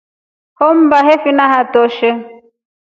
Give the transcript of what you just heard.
Hommba hefina haatoshe.